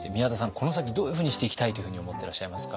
この先どういうふうにしていきたいというふうに思ってらっしゃいますか？